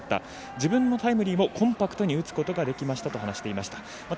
自分のタイムリーもコンパクトに打つことができましたと話していました。